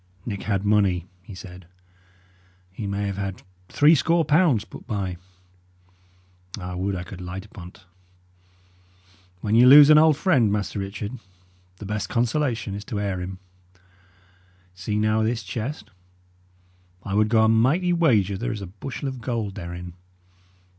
"Nick had money," he said. "He may have had three score pounds put by. I would I could light upon't! When ye lose an old friend, Master Richard, the best consolation is to heir him. See, now, this chest. I would go a mighty wager there is a bushel of gold therein.